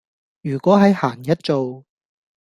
如果喺閒日做